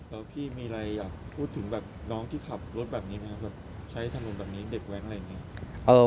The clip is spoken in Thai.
แล้วพี่มีอะไรอยากพูดถึงแบบน้องที่ขับรถแบบนี้ไหมครับแบบใช้ถนนแบบนี้เด็กแว้นอะไรอย่างนี้